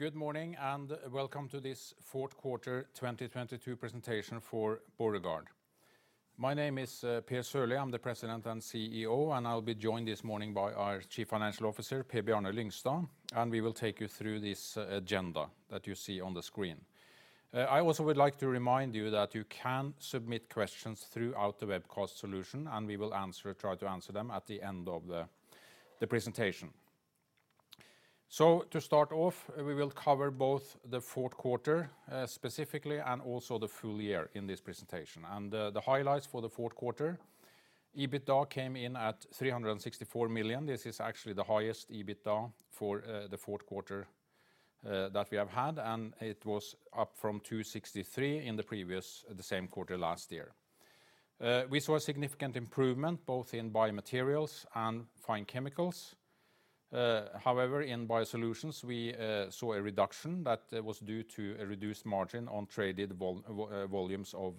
Good morning and welcome to this fourth quarter 2022 presentation for Borregaard. My name is Per Sørlie, I'm the President and CEO, and I'll be joined this morning by our Chief Financial Officer, Per-Bjarne Lyngstad, and we will take you through this agenda that you see on the screen. I also would like to remind you that you can submit questions throughout the webcast solution, and we will try to answer them at the end of the presentation. To start off, we will cover both the fourth quarter specifically and also the full year in this presentation. The highlights for the fourth quarter: EBITDA came in at 364 million. This is actually the highest EBITDA for the fourth quarter that we have had, and it was up from 263 million in the previous the same quarter last year. We saw a significant improvement both in BioMaterials and Fine Chemicals. However, in BioSolutions, we saw a reduction that was due to a reduced margin on traded volumes of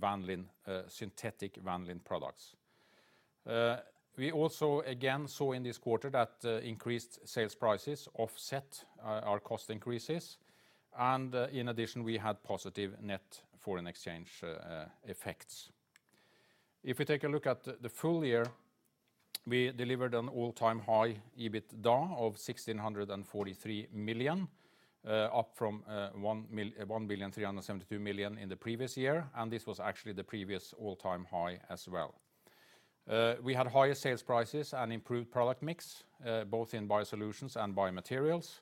vanillin, synthetic vanillin products. We also again saw in this quarter that increased sales prices offset our cost increases, and in addition, we had positive net foreign exchange effects. If we take a look at the full year, we delivered an all-time high EBITDA of 1,643 million, up from 1,372 million in the previous year, and this was actually the previous all-time high as well. We had higher sales prices and improved product mix, both in BioSolutions and BioMaterials.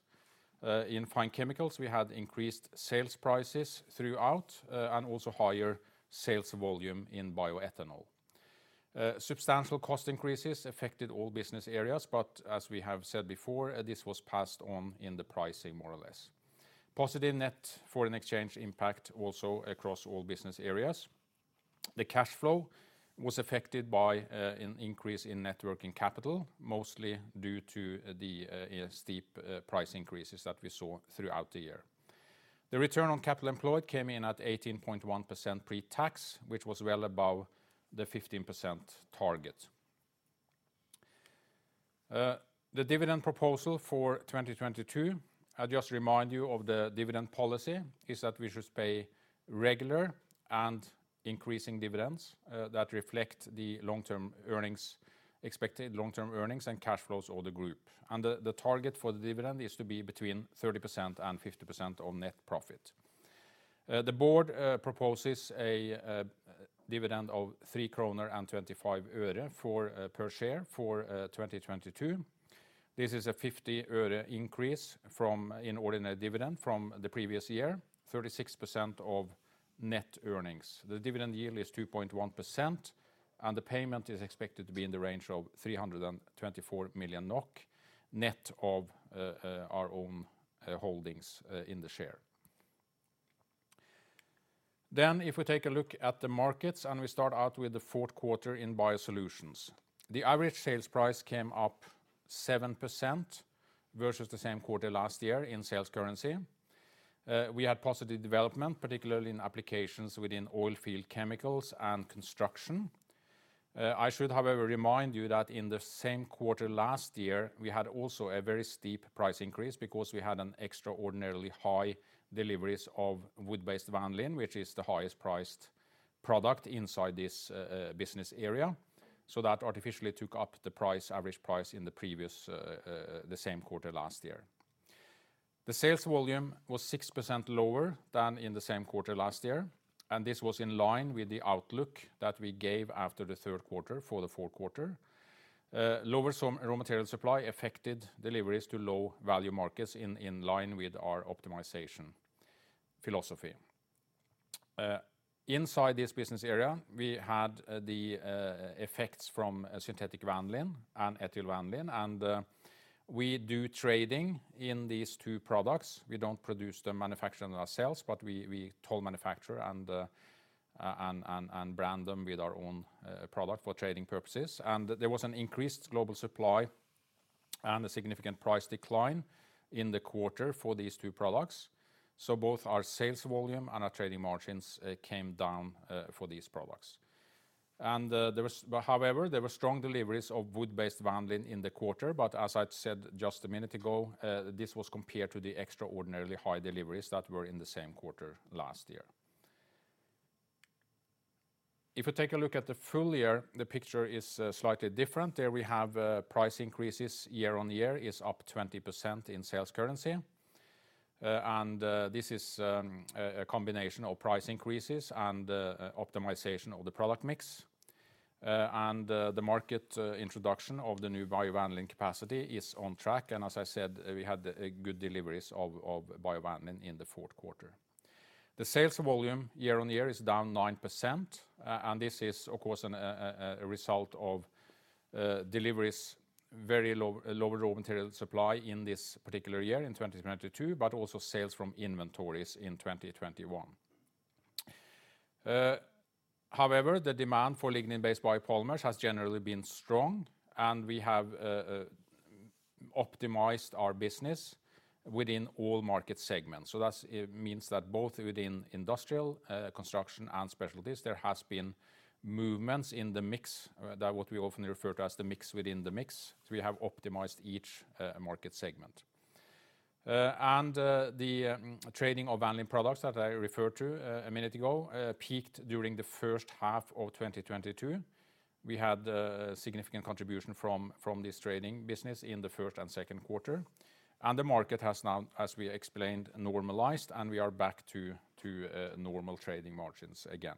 In Fine Chemicals, we had increased sales prices throughout, and also higher sales volume in bioethanol. Substantial cost increases affected all business areas, but as we have said before, this was passed on in the pricing more or less. Positive net foreign exchange impact also across all business areas. The cash flow was affected by an increase in Net Working Capital, mostly due to the steep price increases that we saw throughout the year. The Return on capital employed came in at 18.1% pre-tax, which was well above the 15% target. The dividend proposal for 2022, I just remind you of the dividend policy, is that we should pay regular and increasing dividends that reflect the long-term earnings, expected long-term earnings and cash flows of the group. The target for the dividend is to be between 30% and 50% of net profit. The board proposes a dividend of 3 kroner and 25 øre per share for 2022. This is a 50 øre increase from an ordinary dividend from the previous year, 36% of net earnings. The dividend yield is 2.1%, and the payment is expected to be in the range of 324 million NOK, net of our own holdings in the share. If we take a look at the markets, and we start out with the fourth quarter in BioSolutions. The average sales price came up 7% versus the same quarter last year in sales currency. We had positive development, particularly in applications within oilfield chemicals and construction. I should, however, remind you that in the same quarter last year, we had also a very steep price increase because we had an extraordinarily high deliveries of wood-based vanillin, which is the highest priced product inside this business area. That artificially took up the price, average price in the previous, the same quarter last year. The sales volume was 6% lower than in the same quarter last year, and this was in line with the outlook that we gave after the third quarter for the fourth quarter. Lower raw material supply affected deliveries to low-value markets in line with our optimization philosophy. Inside this business area, we had the effects from synthetic vanillin and ethyl vanillin, we do trading in these two products. We don't produce the manufacturing ourselves, but we toll manufacture and brand them with our own product for trading purposes. There was an increased global supply and a significant price decline in the quarter for these two products. Both our sales volume and our trading margins came down for these products. However, there were strong deliveries of wood-based vanillin in the quarter, as I said just a minute ago, this was compared to the extraordinarily high deliveries that were in the same quarter last year. If we take a look at the full year, the picture is slightly different. There we have price increases year-on-year is up 20% in sales currency. This is a combination of price increases and optimization of the product mix. The market introduction of the new biovanillin capacity is on track. As I said, we had good deliveries of biovanillin in the fourth quarter. The sales volume year-on-year is down 9%, and this is of course a result of deliveries very low raw material supply in this particular year in 2022, but also sales from inventory in 2021. However, the demand for lignin-based biopolymers has generally been strong, and we have optimized our business within all market segments. That means both within industrial construction and specialties, there has been movements in the mix that what we often refer to as the mix within the mix. We have optimized each market segment. And the trading of vanillin products that I referred to a minute ago peaked during the first half of 2022. We had significant contribution from this trading business in the first and second quarter. The market has now, as we explained, normalized, and we are back to normal trading margins again.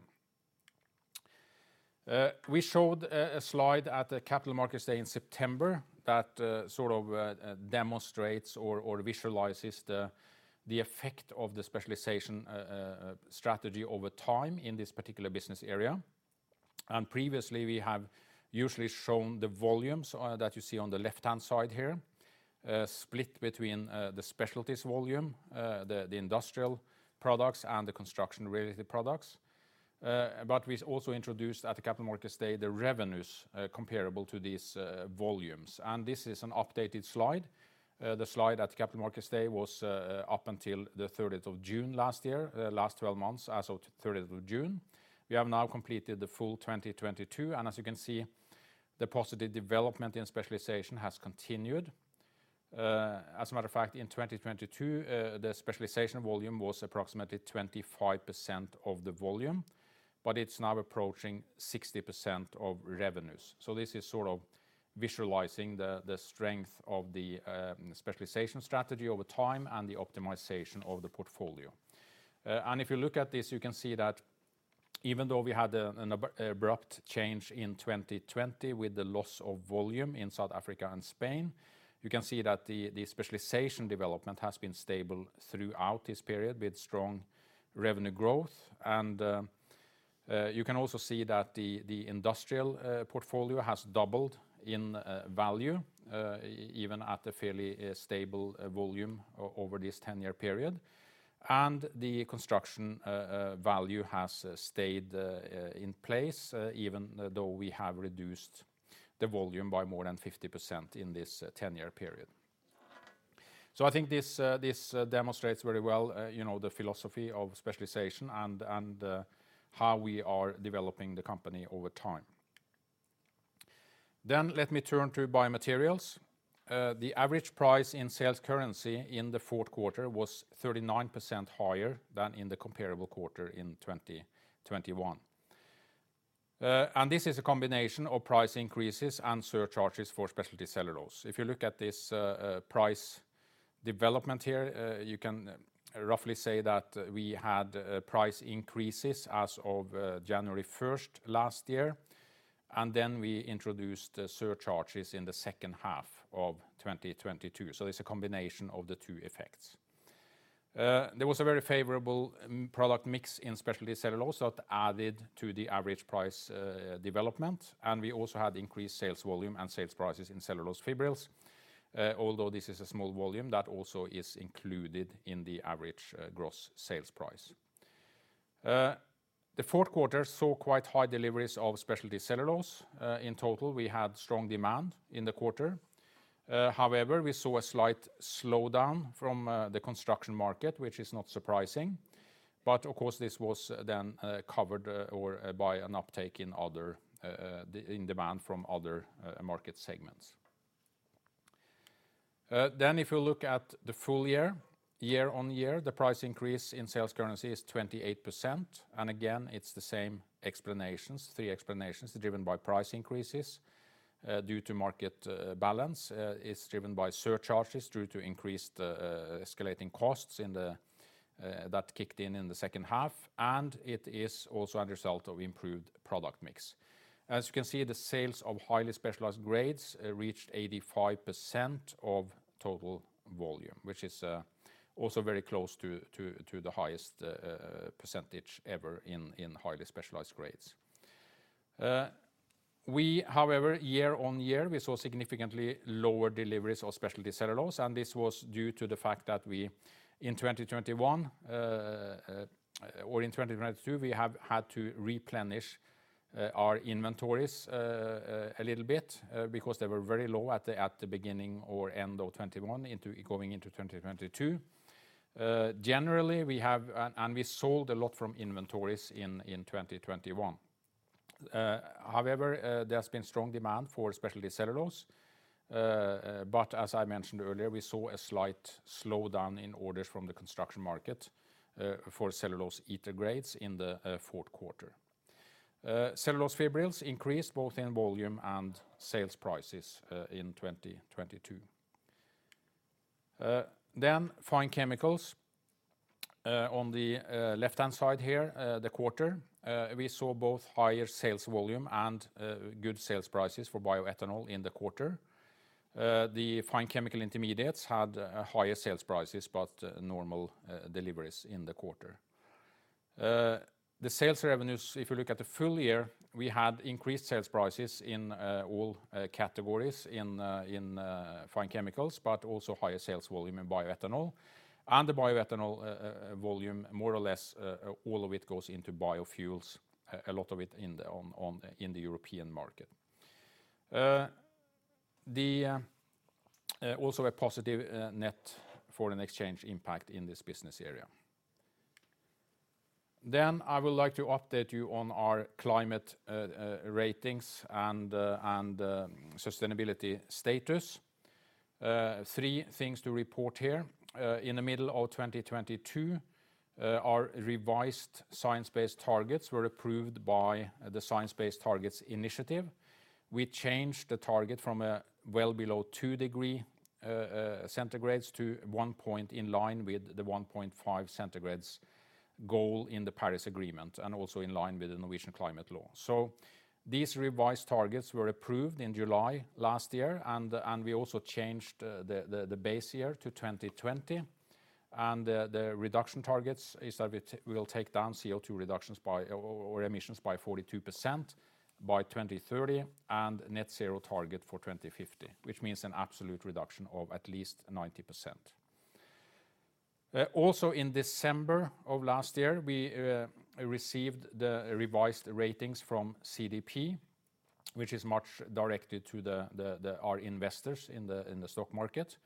We showed a slide at the Capital Markets Day in September that demonstrates or visualizes the effect of the specialization strategy over time in this particular business area. Previously, we have usually shown the volumes that you see on the left-hand side here, split between the specialties volume, the industrial products, and the construction-related products. We also introduced at the Capital Markets Day the revenues comparable to these volumes. This is an updated slide. The slide at Capital Markets Day was up until the thirtieth of June last year, last 12 months, as of the thirtieth of June. We have now completed the full 2022, and as you can see, the positive development in specialization has continued. As a matter of fact, in 2022, the specialization volume was approximately 25% of the volume, but it's now approaching 60% of revenues. This is visualizing the strength of the specialization strategy over time and the optimization of the portfolio. If you look at this, you can see that even though we had an abrupt change in 2020 with the loss of volume in South Africa and Spain, you can see that the specialization development has been stable throughout this period with strong revenue growth. You can also see that the industrial portfolio has doubled in value even at a fairly stable volume over this 10-year period. The construction value has stayed in place even though we have reduced the volume by more than 50% in this 10-year period. I think this demonstrates very well, the philosophy of specialization and, how we are developing the company over time. Let me turn to BioMaterials. The average price in sales currency in the fourth quarter was 39% higher than in the comparable quarter in 2021. This is a combination of price increases and surcharges for specialty cellulose. If you look at this, price development here, you can roughly say that we had price increases as of January 1st last year, and then we introduced surcharges in the second half of 2022. It's a combination of the two effects. There was a very favorable product mix in specialty cellulose that added to the average price development, and we also had increased sales volume and sales prices in cellulose fibrils. Although this is a small volume, that also is included in the average gross sales price. The fourth quarter saw quite high deliveries of specialty cellulose. In total, we had strong demand in the quarter. However, we saw a slight slowdown from the construction market, which is not surprising. Of course, this was then covered or by an uptake in other demand from other market segments. If you look at the full year-on-year, the price increase in sales currency is 28%. Again, it's the same explanations, three explanations, driven by price increases due to market balance. It's driven by surcharges due to increased escalating costs that kicked in in the second half. It is also a result of improved product mix. You can see, the sales of highly specialized grades reached 85% of total volume, which is also very close to the highest percentage ever in highly specialized grades. We, however, year-over-year, we saw significantly lower deliveries of specialty cellulose. This was due to the fact that we, in 2021 or in 2022, we have had to replenish our inventories a little bit because they were very low at the beginning or end of 2021 going into 2022. Generally, we sold a lot from inventories in 2021. However, there has been strong demand for specialty cellulose. As I mentioned earlier, we saw a slight slowdown in orders from the construction market for cellulose ether grades in the fourth quarter. Cellulose fibrils increased both in volume and sales prices in 2022. Fine Chemicals, on the left-hand side here, the quarter, we saw both higher sales volume and good sales prices for bioethanol in the quarter. The fine chemical intermediates had higher sales prices, but normal deliveries in the quarter. The sales revenues, if you look at the full year, we had increased sales prices in all categories in Fine Chemicals, but also higher sales volume in bioethanol. The bioethanol volume, more or less, all of it goes into biofuels, a lot of it in the European market. Also a positive net foreign exchange impact in this business area. I would like to update you on our climate ratings and sustainability status. Three things to report here. In the middle of 2022, our revised Science Based Targets were approved by the Science Based Targets initiative. We changed the target from a well below two degree centigrades to one point aligned with the 1.5 centigrades goal in the Paris Agreement, and also in line with the Norwegian climate law. These revised targets were approved in July last year, and we also changed the base year to 2020. The reduction targets is that we will take down CO2 reductions by, or emissions by 42% by 2030, and Net Zero target for 2050, which means an absolute reduction of at least 90%. Also in December of last year, we received the revised ratings from CDP, which is much directed to our investors in the stock market.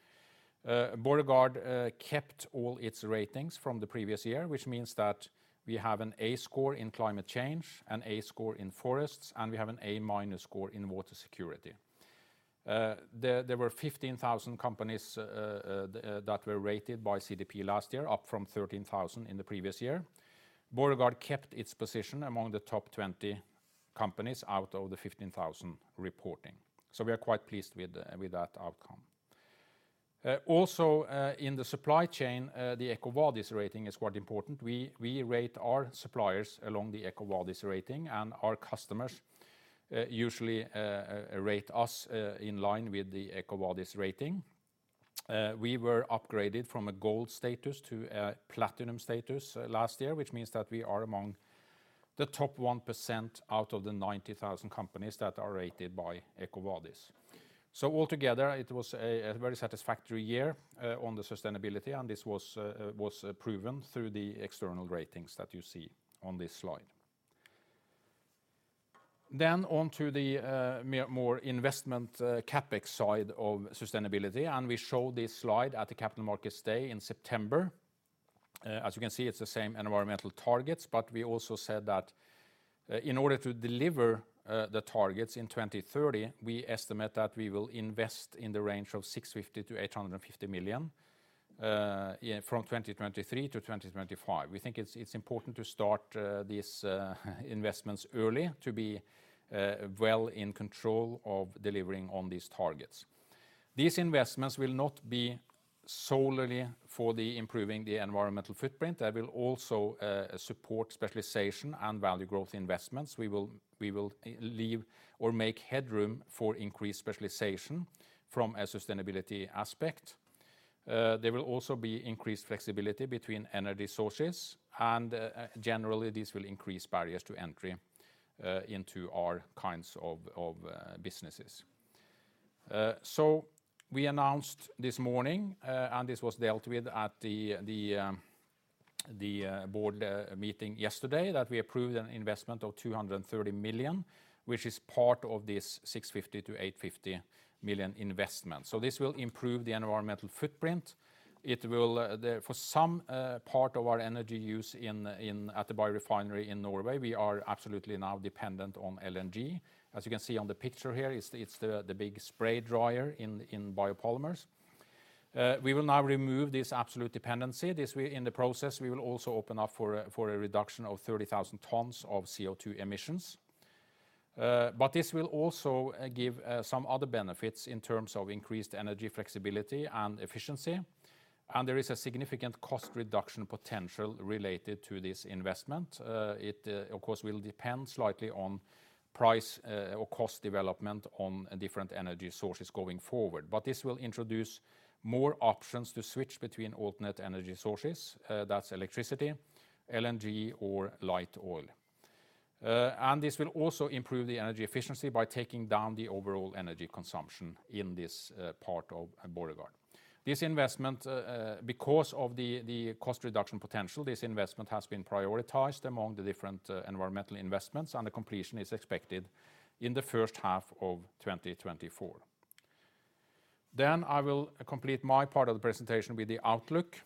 Borregaard kept all its ratings from the previous year, which means that we have an A score in climate change, an A score in forests, and we have an A-minus score in water security. There were 15,000 companies that were rated by CDP last year, up from 13,000 in the previous year. Borregaard kept its position among the top 20 companies out of the 15,000 reporting. We are quite pleased with that outcome. Also, in the supply chain, the EcoVadis rating is quite important. We rate our suppliers along the EcoVadis rating. Our customers usually rate us in line with the EcoVadis rating. We were upgraded from a gold status to a platinum status last year, which means that we are among the top 1% out of the 90,000 companies that are rated by EcoVadis. Altogether, it was a very satisfactory year on the sustainability, and this was proven through the external ratings that you see on this slide. On to the more investment CapEx side of sustainability. We showed this slide at the Capital Markets Day in September. As you can see, it's the same environmental targets. We also said that in order to deliver the targets in 2030, we estimate that we will invest in the range of 650 million to 850 million from 2023 to 2025. We think it's important to start these investments early to be well in control of delivering on these targets. These investments will not be solely for the improving the environmental footprint. They will also support specialization and value growth investments. We will leave or make headroom for increased specialization from a sustainability aspect. There will also be increased flexibility between energy sources. Generally, this will increase barriers to entry into our kinds of businesses. We announced this morning, and this was dealt with at the board meeting yesterday, that we approved an investment of 230 million, which is part of this 650 million-850 million investment. This will improve the environmental footprint. It will for some part of our energy use at the biorefinery in Norway, we are absolutely now dependent on LNG. As you can see on the picture here, it's the big spray dryer in biopolymers. We will now remove this absolute dependency. In the process, we will also open up for a reduction of 30,000 tons of CO2 emissions. This will also give some other benefits in terms of increased energy flexibility and efficiency. There is a significant cost reduction potential related to this investment. It, of course, will depend slightly on price or cost development on different energy sources going forward. This will introduce more options to switch between alternate energy sources, that's electricity, LNG or light oil. This will also improve the energy efficiency by taking down the overall energy consumption in this part of Borregaard. This investment, because of the cost reduction potential, this investment has been prioritized among the different environmental investments. The completion is expected in the first half of 2024. I will complete my part of the presentation with the outlook.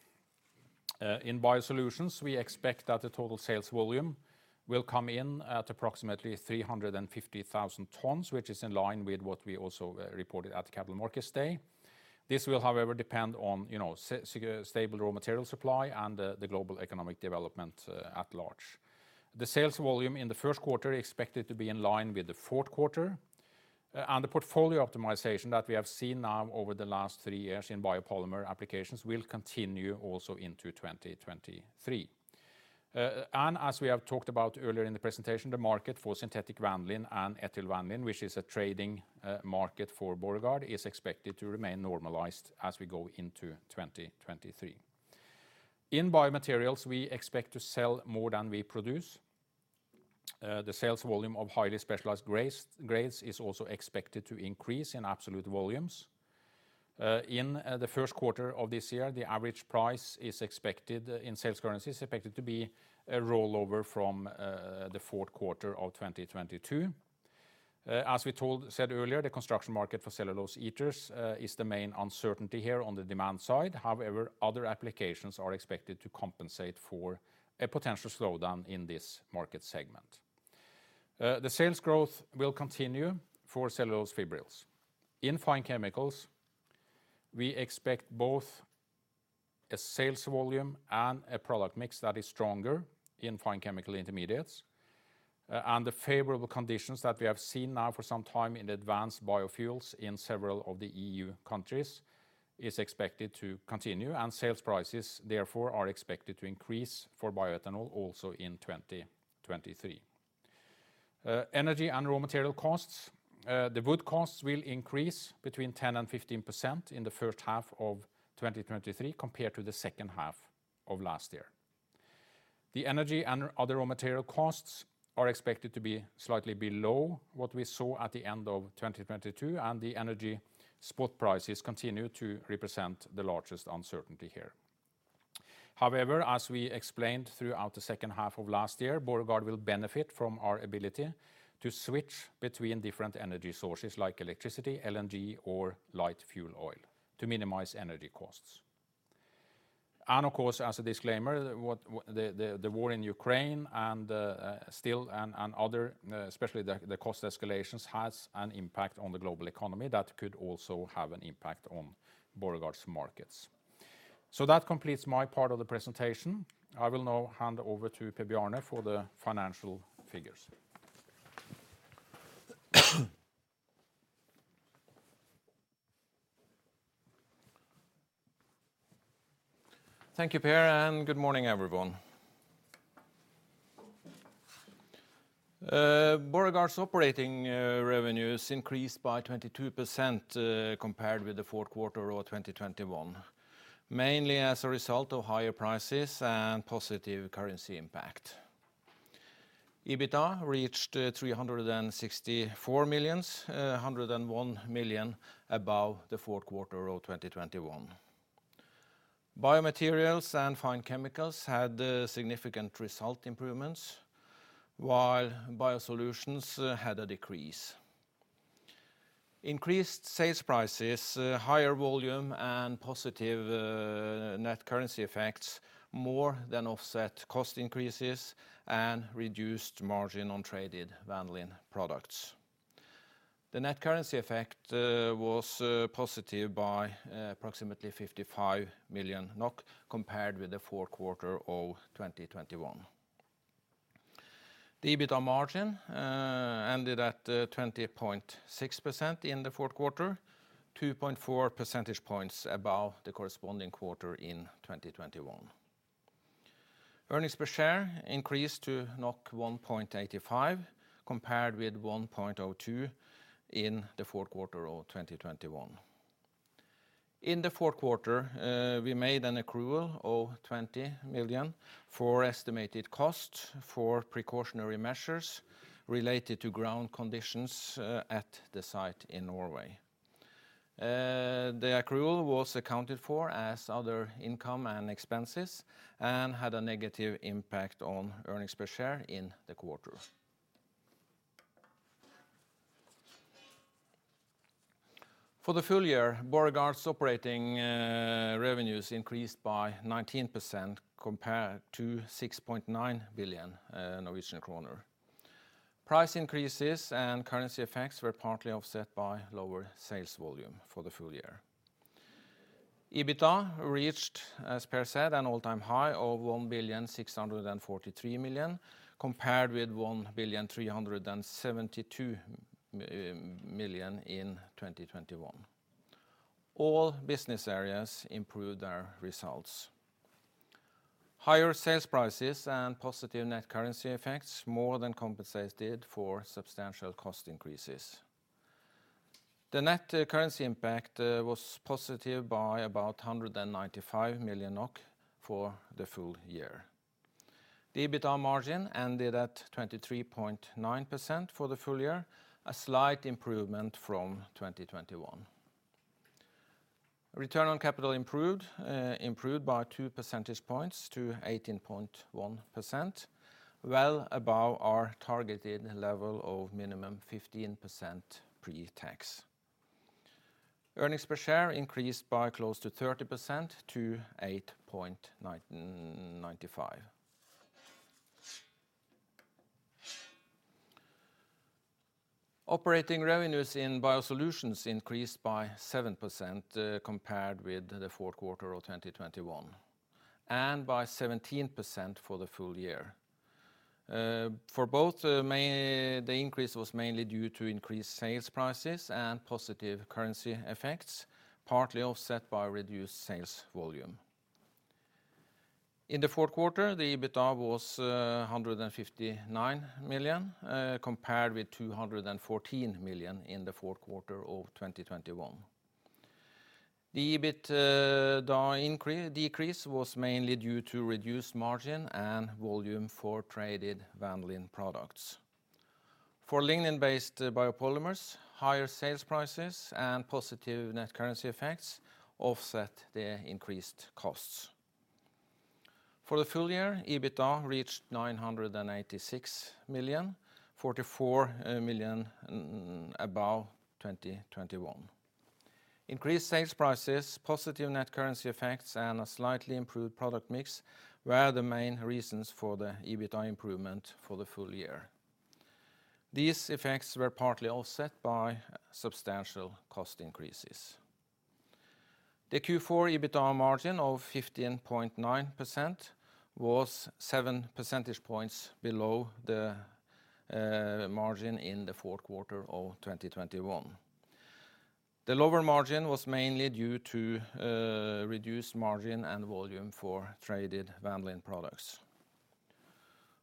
In BioSolutions, we expect that the total sales volume will come in at approximately 350,000 tons, which is in line with what we also reported at the Capital Markets Day. This will, however, depend on stable raw material supply and the global economic development at large. The sales volume in the first quarter expected to be in line with the fourth quarter. And the portfolio optimization that we have seen now over the last 3 years in biopolymer applications will continue also into 2023. And as we have talked about earlier in the presentation, the market for synthetic vanillin and ethyl vanillin, which is a trading market for Borregaard, is expected to remain normalized as we go into 2023. In BioMaterials, we expect to sell more than we produce. The sales volume of highly specialized grades is also expected to increase in absolute volumes. In the first quarter of this year, the average price is expected, in sales currency, is expected to be a rollover from the fourth quarter of 2022. As we said earlier, the construction market for cellulose ethers is the main uncertainty here on the demand side. However, other applications are expected to compensate for a potential slowdown in this market segment. The sales growth will continue for cellulose fibrils. In Fine Chemicals, we expect both a sales volume and a product mix that is stronger in fine chemical intermediates. The favorable conditions that we have seen now for some time in advanced biofuels in several of the EU countries is expected to continue. Sales prices therefore are expected to increase for bioethanol also in 2023. Energy and raw material costs, the wood costs will increase between 10% and 15% in the first half of 2023 compared to the second half of last year. The energy and other raw material costs are expected to be slightly below what we saw at the end of 2022. The energy spot prices continue to represent the largest uncertainty here. However, as we explained throughout the second half of last year, Borregaard will benefit from our ability to switch between different energy sources like electricity, LNG or light fuel oil to minimize energy costs. Of course, as a disclaimer, the war in Ukraine and still and other, especially the cost escalations has an impact on the global economy that could also have an impact on Borregaard's markets. That completes my part of the presentation. I will now hand over to Per-Bjarne for the financial figures. Thank you, Per, and good morning, everyone. Borregaard's operating revenues increased by 22% compared with the fourth quarter of 2021, mainly as a result of higher prices and positive currency impact. EBITDA reached 364 million, 101 million above the fourth quarter of 2021. BioMaterials and Fine Chemicals had significant result improvements, while BioSolutions had a decrease. Increased sales prices, higher volume, and positive net currency effects more than offset cost increases and reduced margin on traded vanillin products. The net currency effect was positive by approximately 55 million NOK compared with the fourth quarter of 2021. The EBITDA margin ended at 20.6% in the fourth quarter, 2.4 percentage points above the corresponding quarter in 2021. Earnings per share increased to 1.85 compared with 1.02 in the fourth quarter of 2021. In the fourth quarter, we made an accrual of 20 million for estimated costs for precautionary measures related to ground conditions at the site in Norway. The accrual was accounted for as other income and expenses and had a negative impact on earnings per share in the quarter. For the full year, Borregaard's operating revenues increased by 19% compared to 6.9 billion Norwegian kroner. Price increases and currency effects were partly offset by lower sales volume for the full year. EBITDA reached, as Per said, an all-time high of 1,643 million, compared with 1,372 million in 2021. All business areas improved their results. Higher sales prices and positive net currency effects more than compensated for substantial cost increases. The net currency impact was positive by about 195 million NOK for the full year. The EBITDA margin ended at 23.9% for the full year, a slight improvement from 2021. Return on capital improved by 2 percentage points to 18.1%, well above our targeted level of minimum 15% pre-tax. Earnings per share increased by close to 30% to 8.95. Operating revenues in BioSolutions increased by 7% compared with the fourth quarter of 2021, and by 17% for the full year. For both, the increase was mainly due to increased sales prices and positive currency effects, partly offset by reduced sales volume. In the fourth quarter, the EBITDA was 159 million compared with 214 million in the fourth quarter of 2021. The EBITDA decrease was mainly due to reduced margin and volume for traded vanillin products. For lignin-based biopolymers, higher sales prices and positive net currency effects offset the increased costs. For the full year, EBITDA reached 986 million, 44 million above 2021. Increased sales prices, positive net currency effects, and a slightly improved product mix were the main reasons for the EBITDA improvement for the full year. These effects were partly offset by substantial cost increases. The Q4 EBITDA margin of 15.9% was 7 percentage points below the margin in the fourth quarter of 2021. The lower margin was mainly due to reduced margin and volume for traded vanillin products.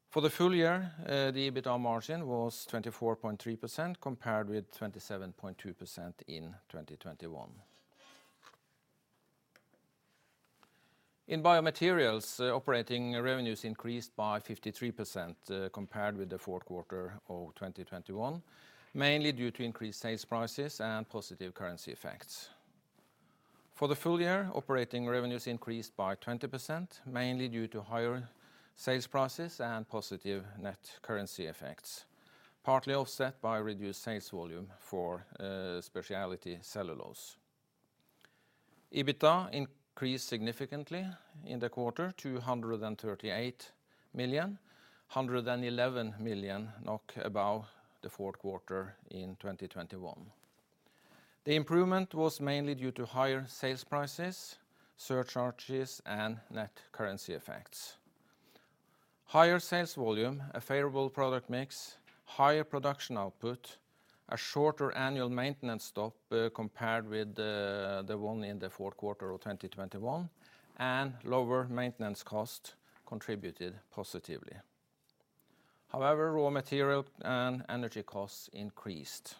For the full year, the EBITDA margin was 24.3% compared with 27.2% in 2021. In BioMaterials, operating revenues increased by 53% compared with the fourth quarter of 2021, mainly due to increased sales prices and positive currency effects. For the full year, operating revenues increased by 20%, mainly due to higher sales prices and positive net currency effects, partly offset by reduced sales volume for specialty cellulose. EBITDA increased significantly in the quarter to 138 million, 111 million NOK above the fourth quarter in 2021. The improvement was mainly due to higher sales prices, surcharges, and net currency effects. Higher sales volume, a favorable product mix, higher production output, a shorter annual maintenance stop, compared with the one in the fourth quarter of 2021, and lower maintenance cost contributed positively. Raw material and energy costs increased.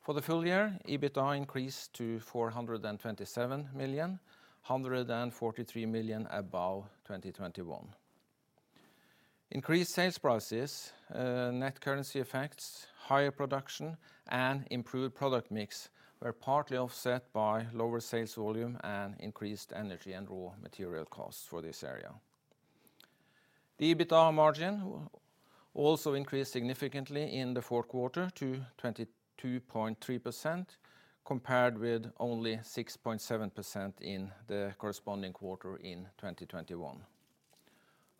For the full year, EBITDA increased to 427 million, 143 million above 2021. Increased sales prices, net currency effects, higher production, and improved product mix were partly offset by lower sales volume and increased energy and raw material costs for this area. The EBITDA margin also increased significantly in the fourth quarter to 22.3%, compared with only 6.7% in the corresponding quarter in 2021.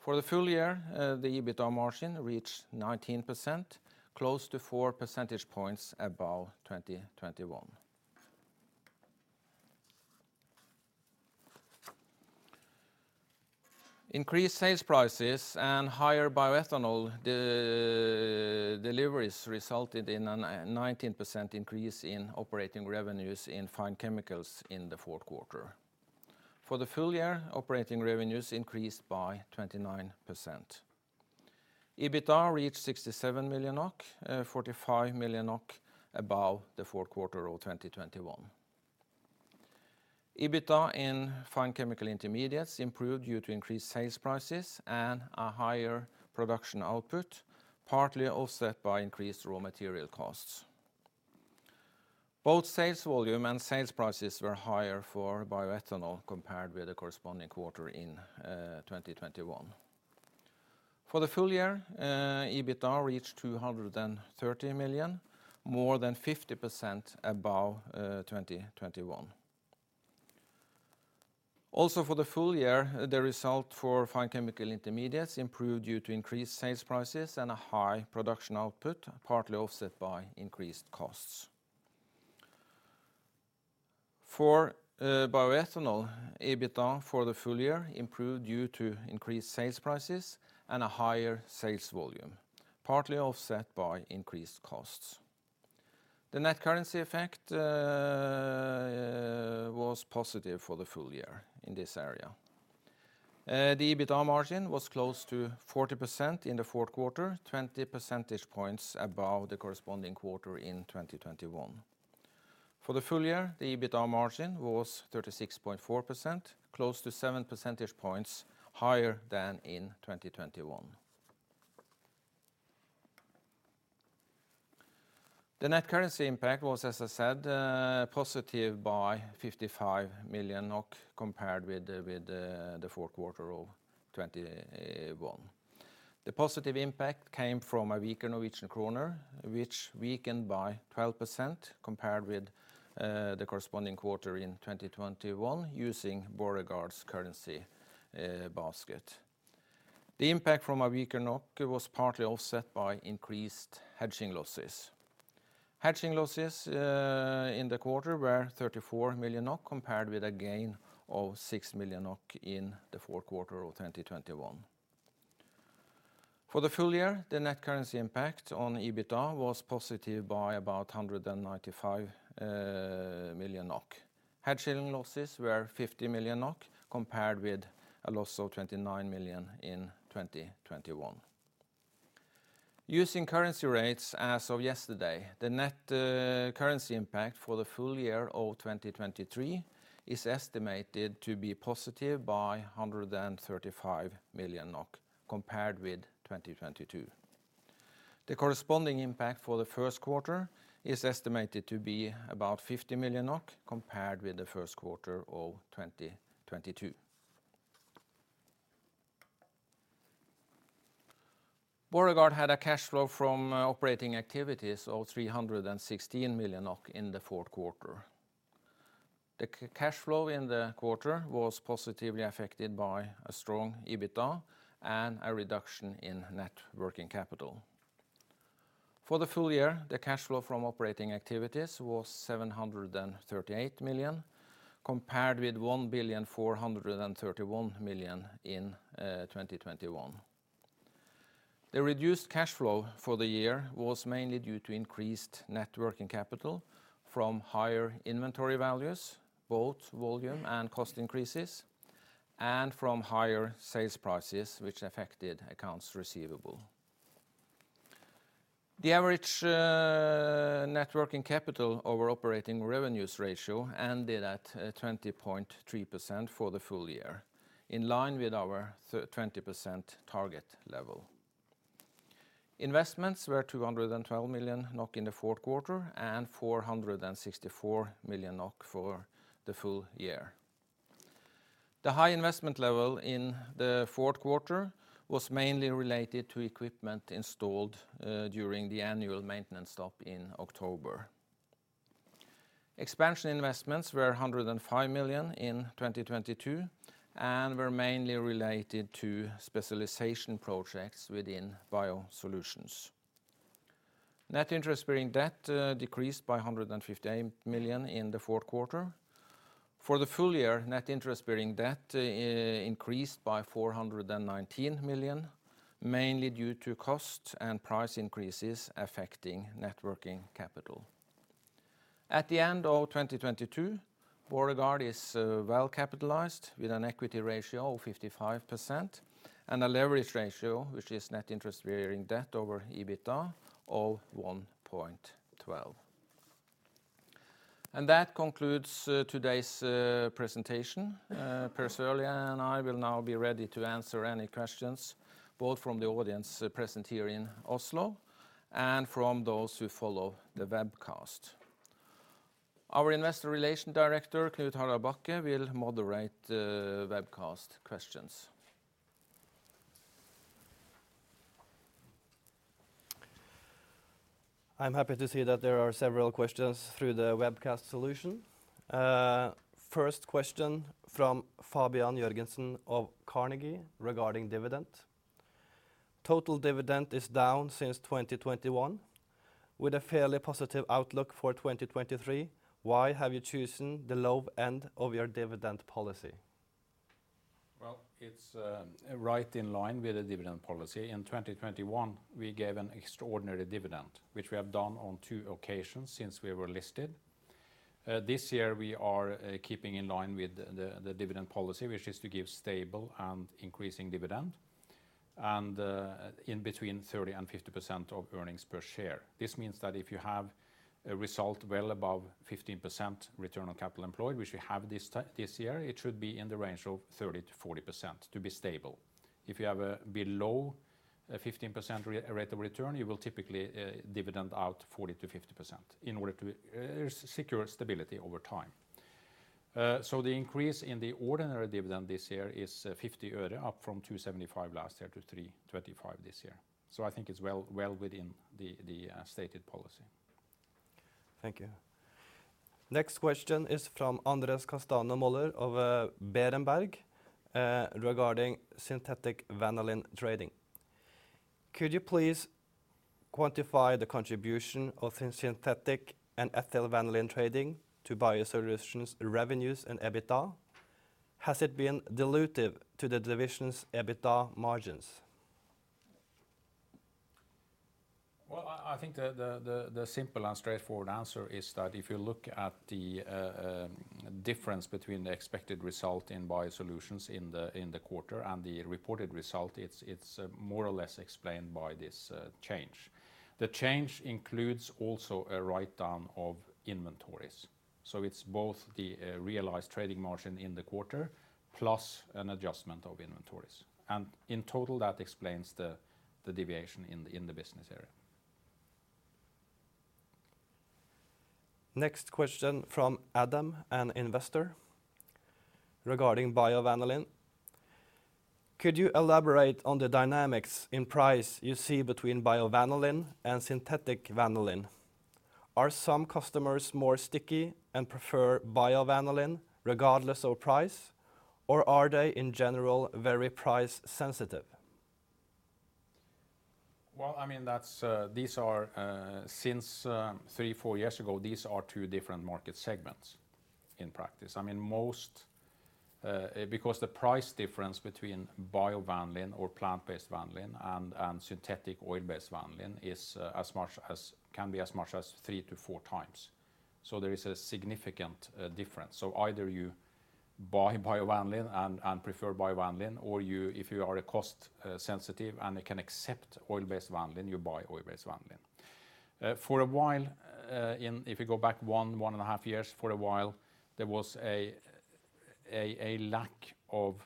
For the full year, the EBITDA margin reached 19%, close to 4 percentage points above 2021. Increased sales prices and higher bioethanol deliveries resulted in a 19% increase in operating revenues in Fine Chemicals in the fourth quarter. For the full year, operating revenues increased by 29%. EBITDA reached 67 million NOK, 45 million NOK above the fourth quarter of 2021. EBITDA in Fine Chemical Intermediates improved due to increased sales prices and a higher production output, partly offset by increased raw material costs. Both sales volume and sales prices were higher for bioethanol compared with the corresponding quarter in 2021. For the full year, EBITDA reached 230 million, more than 50% above 2021. Also for the full year, the result for Fine Chemical Intermediates improved due to increased sales prices and a high production output, partly offset by increased costs. For Bioethanol, EBITDA for the full year improved due to increased sales prices and a higher sales volume, partly offset by increased costs. The net currency effect was positive for the full year in this area. The EBITDA margin was close to 40% in the fourth quarter, 20 percentage points above the corresponding quarter in 2021. For the full year, the EBITDA margin was 36.4%, close to 7 percentage points higher than in 2021. The net currency impact was, as I said, positive by 55 million NOK compared with the fourth quarter of 2021. The positive impact came from a weaker Norwegian kroner, which weakened by 12% compared with the corresponding quarter in 2021 using Borregaard's currency basket. The impact from a weaker NOK was partly offset by increased hedging losses. Hedging losses in the quarter were 34 million NOK compared with a gain of 6 million NOK in the fourth quarter of 2021. For the full year, the net currency impact on EBITDA was positive by about 195 million NOK. Hedging losses were 50 million NOK compared with a loss of 29 million in 2021. Using currency rates as of yesterday, the net currency impact for the full year of 2023 is estimated to be positive by 135 million NOK compared with 2022. The corresponding impact for the first quarter is estimated to be about 50 million NOK compared with the first quarter of 2022. Borregaard had a cash flow from operating activities of 316 million NOK in the fourth quarter. The cash flow in the quarter was positively affected by a strong EBITDA and a reduction in Net Working Capital. For the full year, the cash flow from operating activities was 738 million, compared with 1,431 million in 2021. The reduced cash flow for the year was mainly due to increased Net Working Capital from higher inventory values, both volume and cost increases, and from higher sales prices which affected accounts receivable. The average Net Working Capital over operating revenues ratio ended at 20.3% for the full year, in line with our 20% target level. Investments were 212 million NOK in the fourth quarter and 464 million NOK for the full year. The high investment level in the fourth quarter was mainly related to equipment installed during the annual maintenance stop in October. Expansion investments were 105 million in 2022 and were mainly related to specialization projects within BioSolutions. Net interest-bearing debt decreased by 158 million in the fourth quarter. For the full year, net interest-bearing debt increased by 419 million, mainly due to cost and price increases affecting Net Working Capital. At the end of 2022, Borregaard is well capitalized, with an Equity Ratio of 55% and a Leverage Ratio, which is net interest-bearing debt over EBITDA, of 1.12. That concludes today's presentation. Per Sørlie and I will now be ready to answer any questions, both from the audience, present here in Oslo and from those who follow the webcast. Our Director Investor Relations, Knut-Harald Bakke, will moderate the webcast questions. I'm happy to see that there are several questions through the webcast solution. First question from Fabian Jørgensen of Carnegie regarding dividend. Total dividend is down since 2021. With a fairly positive outlook for 2023, why have you chosen the low end of your dividend policy? It's right in line with the dividend policy. In 2021, we gave an extraordinary dividend, which we have done on 2 occasions since we were listed. This year we are keeping in line with the dividend policy, which is to give stable and increasing dividend and in between 30% and 50% of earnings per share. This means that if you have a result well above 15% return on capital employed, which we have this year, it should be in the range of 30%-40% to be stable. If you have a below a 15% rate of return, you will typically dividend out 40%-50% in order to secure stability over time. The increase in the ordinary dividend this year is NOK 0.50, up from 2.75 last year to 3.25 this year. I think it's well within the stated policy. Thank you. Next question is from Andrés Castaño-Mollor of Berenberg regarding synthetic vanillin trading. Could you please quantify the contribution of synthetic and ethyl vanillin trading to BioSolutions, revenues, and EBITDA? Has it been dilutive to the division's EBITDA margins? I think the simple and straightforward answer is that if you look at the difference between the expected result in BioSolutions in the quarter and the reported result, it's more or less explained by this change. The change includes also a write-down of inventories. It's both the realized trading margin in the quarter plus an adjustment of inventories. In total, that explains the deviation in the business area. Next question from Adam, an investor, regarding biovanillin. Could you elaborate on the dynamics in price you see between biovanillin and synthetic vanillin? Are some customers more sticky and prefer biovanillin regardless of price, or are they in general very price sensitive? That's, these are, since 3, 4 years ago, these are two different market segments in practice. Most, because the price difference between biovanillin or plant-based vanillin and synthetic oil-based vanillin is as much as, can be as much as 3 to 4 times. There is a significant difference. Either you buy biovanillin and prefer biovanillin, or you, if you are a cost sensitive and can accept oil-based vanillin, you buy oil-based vanillin. For a while, if you go back 1 and a half years, for a while, there was a lack of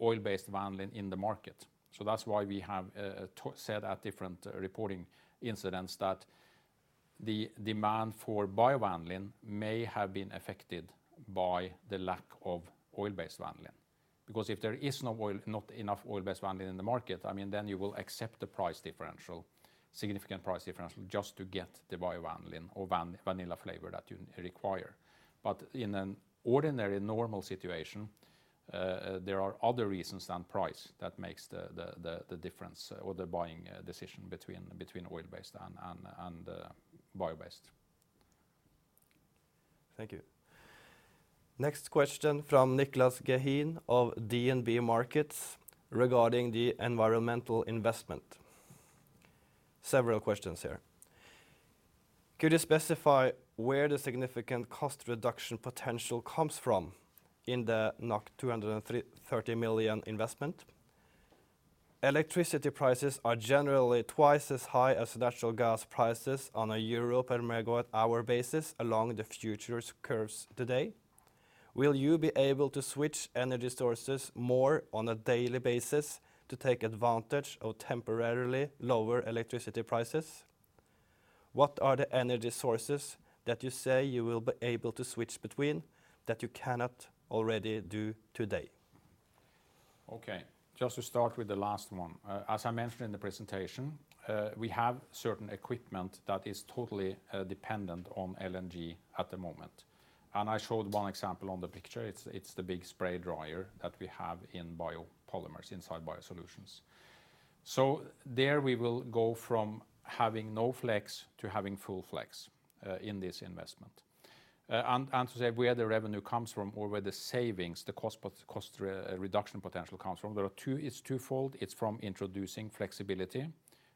oil-based vanillin in the market. That's why we have said at different reporting incidents that the demand for biovanillin may have been affected by the lack of oil-based vanillin. If there is no oil, not enough oil-based vanillin in the market, then you will accept the price differential, significant price differential just to get the biovanillin or vanilla flavor that you require. In an ordinary normal situation, there are other reasons than price that makes the difference or the buying decision between oil-based and bio-based. Thank you. Next question from Niclas Gehin of DNB Markets regarding the environmental investment. Several questions here. Could you specify where the significant cost reduction potential comes from in the 230 million investment? Electricity prices are generally twice as high as natural gas prices on a EUR per megawatt hour basis along the futures curves today. Will you be able to switch energy sources more on a daily basis to take advantage of temporarily lower electricity prices? What are the energy sources that you say you will be able to switch between that you cannot already do today? Okay. Just to start with the last one. As I mentioned in the presentation, we have certain equipment that is totally dependent on LNG at the moment. I showed one example on the picture. It's the big spray dryer that we have in biopolymers inside BioSolutions. There we will go from having no flex to having full flex in this investment. To say where the revenue comes from or where the savings, the cost reduction potential comes from, there are 2... It's twofold. It's from introducing flexibility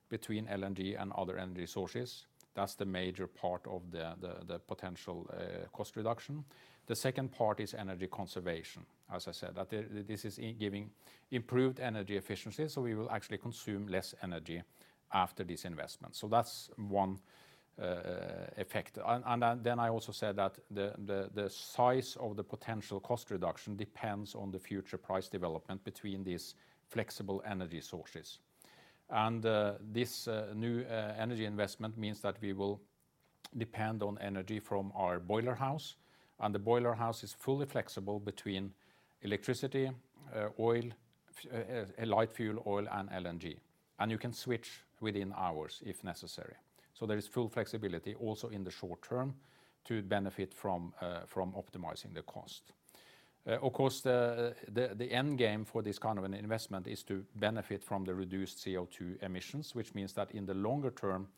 between LNG and other energy sources. That's the major part of the potential cost reduction. The second part is energy conservation, as I said. This is giving improved energy efficiency, so we will actually consume less energy after this investment. That's one effect. Then I also said that the size of the potential cost reduction depends on the future price development between these flexible energy sources. This new energy investment means that we will depend on energy from our boiler house, and the boiler house is fully flexible between electricity, oil, light fuel oil, and LNG. You can switch within hours if necessary. There is full flexibility also in the short term to benefit from optimizing the cost. Of course, the endgame for this kind of an investment is to benefit from the reduced CO2 emissions, which means that in the longer term,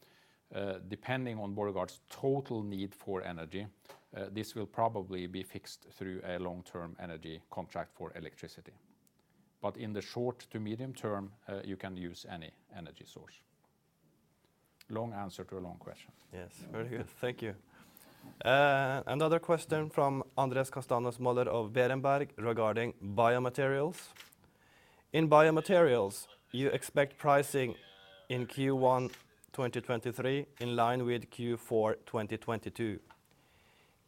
depending on Borregaard's total need for energy, this will probably be fixed through a long-term energy contract for electricity. In the short to medium term, you can use any energy source. Long answer to a long question. Yes. Very good. Thank you. Another question from Andrés Castaño-Mollor of Berenberg regarding BioMaterials. In BioMaterials, you expect pricing in Q1 2023 in line with Q4 2022.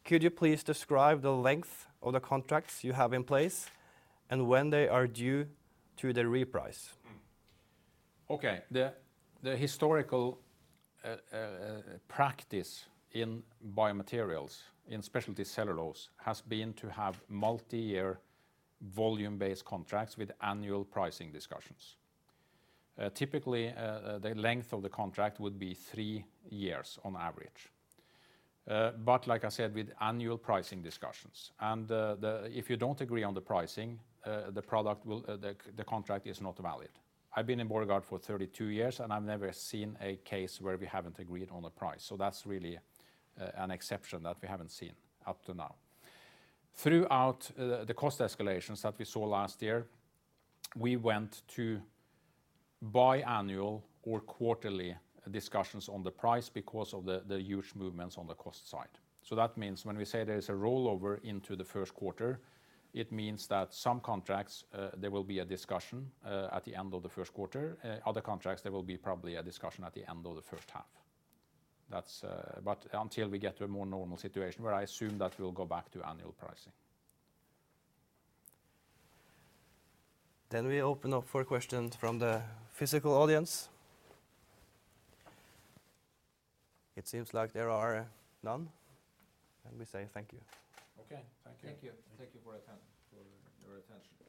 Could you please describe the length of the contracts you have in place and when they are due to reprice? Okay. The historical practice in biomaterials, in specialty cellulose, has been to have multi-year volume-based contracts with annual pricing discussions. Typically, the length of the contract would be three years on average. Like I said, with annual pricing discussions, and, If you don't agree on the pricing, the contract is not valid. I've been in Borregaard for 32 years, and I've never seen a case where we haven't agreed on a price. That's really an exception that we haven't seen up to now. Throughout the cost escalations that we saw last year, we went to biannual or quarterly discussions on the price because of the huge movements on the cost side. That means when we say there's a rollover into the first quarter, it means that some contracts, there will be a discussion at the end of the first quarter. Other contracts, there will be probably a discussion at the end of the first half. That will continue until we get to a more normal situation where I assume that we'll go back to annual pricing. We open up for questions from the physical audience. It seems like there are none. We say thank you. Okay. Thank you. Thank you. Thank you for your attention.